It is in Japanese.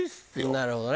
なるほどね。